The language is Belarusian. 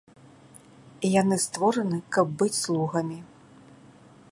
Яны створаны, каб быць слугамі.